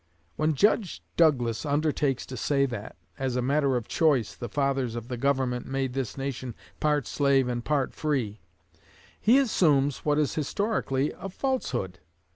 When Judge Douglas undertakes to say that, as a matter of choice, the fathers of the Government made this nation part slave and part free, he assumes what is historically a falsehood.